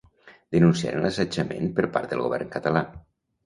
Denunciaren l'assetjament per part del govern català.